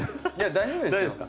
大丈夫ですか？